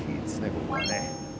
ここはね。